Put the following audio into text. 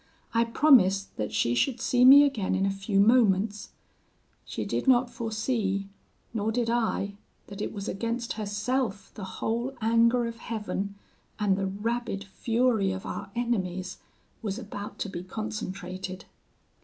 I promised that she should see me again in a few moments. She did not foresee, nor did I, that it was against herself the whole anger of Heaven, and the rabid fury of our enemies, was about to be concentrated.